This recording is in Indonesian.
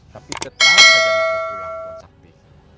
tapi tetap jangan mau pulang tuan sakti